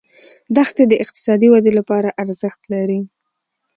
دښتې د اقتصادي ودې لپاره ارزښت لري.